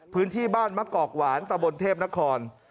พื้นที่บ้านมะกอกหวานตะบนเทพนคร